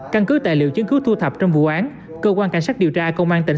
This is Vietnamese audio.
căn cứ tài liệu chứng cứ thu thập trong vụ án cơ quan cảnh sát điều tra công an tỉnh